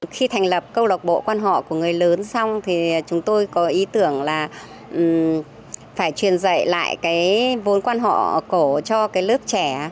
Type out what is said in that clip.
khi thành lập câu lạc bộ quan họ của người lớn xong thì chúng tôi có ý tưởng là phải truyền dạy lại cái vốn quan họ cổ cho cái lớp trẻ